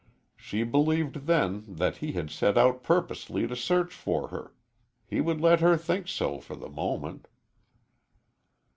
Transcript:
She believed, then, that he had set out purposely to search for her. He would let her think so for the moment.